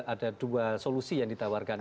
ada dua solusi yang ditawarkan